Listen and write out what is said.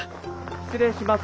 失礼します。